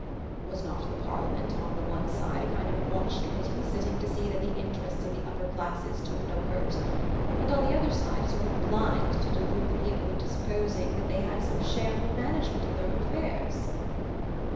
(H.) Was not the Parliament on the one side a kind of watch committee sitting to see that the interests of the Upper Classes took no hurt; and on the other side a sort of blind to delude the people into supposing that they had some share in the management of their own affairs?